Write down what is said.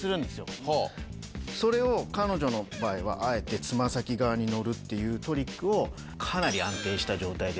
それを彼女の場合はあえて爪先側に乗るっていうトリックをかなり。